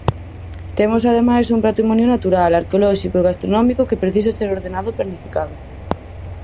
Temos ademais un patrimonio natural, arqueolóxico e gastronómico que precisa ser ordenado e planificado.